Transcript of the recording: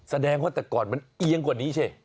แสดงว่าแต่ก่อนมันเอียงกว่านี้สิ